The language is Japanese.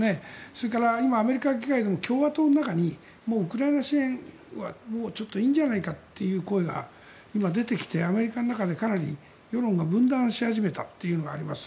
それから今アメリカ議会でも共和党の中にウクライナ支援はもういいんじゃないかという声が出てきてアメリカの中でかなり世論が分断し始めたというのがあります。